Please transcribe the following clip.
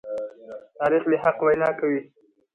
تاریخ د حق وینا کوي.